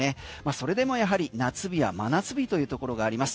それでもやはり夏日や真夏日というところがあります。